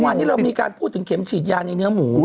วันนี้เรามีการพูดถึงเข็มฉีดยาในเนื้อหมู